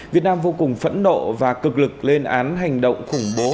việt nam vô cùng phẫn nộ và cực lực lên án hành động khủng bố